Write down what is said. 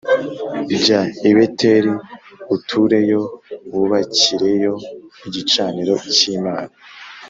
Jya i Beteli utureyo wubakireyo igicaniro cy’Imana